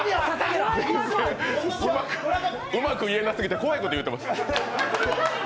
うまく言えなすぎて怖いこと言うてます。